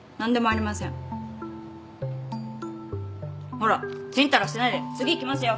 ほらちんたらしてないで次行きますよ。